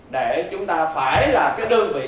để chúng ta phải là cái đơn vị